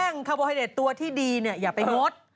แป้งคาร์โปรไฮเดรตตัวที่ดีอย่าไปงด